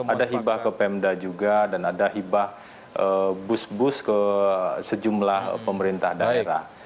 ada hibah ke pemda juga dan ada hibah bus bus ke sejumlah pemerintah daerah